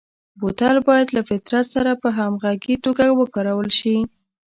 بوتل باید له فطرت سره په همغږي توګه وکارول شي.